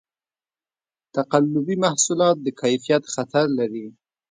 تقلبي محصولات د کیفیت خطر لري.